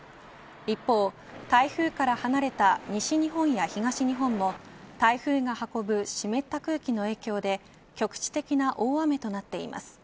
一方、台風から離れた西日本や東日本も台風が運ぶ湿った空気の影響で局地的な大雨となっています。